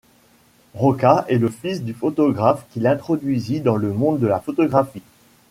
Roca est le fils du photographe qui l'introduisit dans le monde de la photographie.